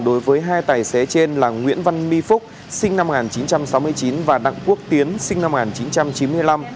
đối với hai tài xế trên là nguyễn văn mi phúc sinh năm một nghìn chín trăm sáu mươi chín và đặng quốc tiến sinh năm một nghìn chín trăm chín mươi năm